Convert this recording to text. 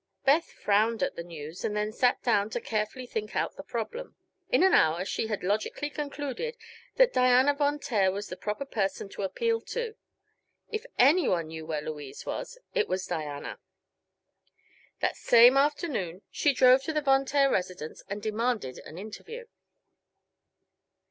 Beth frowned at the news and then sat down to carefully think out the problem. In an hour she had logically concluded that Diana Von Taer was the proper person to appeal to. If anyone knew where Louise was, it was Diana. That same afternoon she drove to the Von Taer residence and demanded an interview.